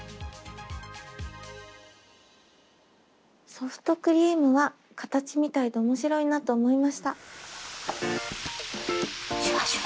ソフトクリームは形みたいで面白いなと思いました。